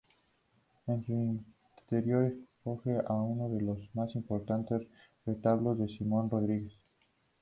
En su interior acoge uno de los más importantes retablos de Simón Rodríguez.